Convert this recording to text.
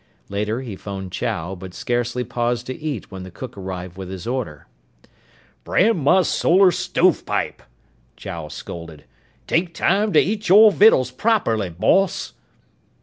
Later he phoned Chow but scarcely paused to eat when the cook arrived with his order. "Brand my solar stovepipe!" Chow scolded. "Take time to eat your vittles properly, boss!"